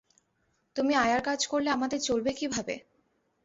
তুমি আয়ার কাজ করলে আমাদের চলবে কিভাবে?